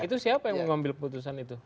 itu siapa yang mengambil keputusan itu